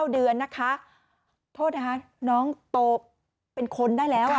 ๙เดือนนะคะโทษนะคะน้องโตเป็นคนได้แล้ว